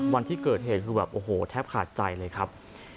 วันที่เกิดเหตุแทบขาดใจเลยครับ